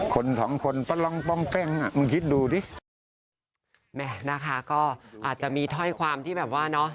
คนสองคนก็ลองป้องแป้งอ่ะมึงคิดดูดิแม่นะคะก็อาจจะมีถ้อยความที่แบบว่าเนอะ